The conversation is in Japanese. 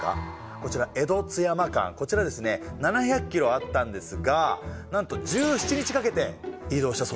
こちら江戸津山間こちらですね７００キロあったんですがなんと１７日かけて移動したそうですね。